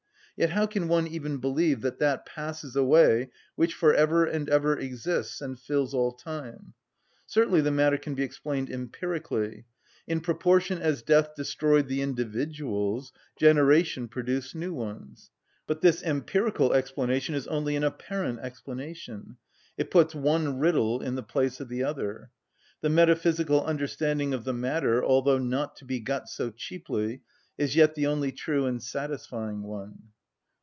Yet how can one even believe that that passes away which for ever and ever exists and fills all time? Certainly the matter can be explained empirically; in proportion as death destroyed the individuals, generation produced new ones. But this empirical explanation is only an apparent explanation: it puts one riddle in the place of the other. The metaphysical understanding of the matter, although not to be got so cheaply, is yet the only true and satisfying one.